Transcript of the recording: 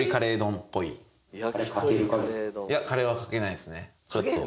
いやカレーはかけないですね。